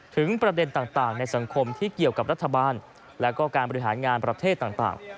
ถึงประเด็นต่างในสังคมที่เกี่ยวกับรัฐบาลและก็การบริหารงานประเทศต่าง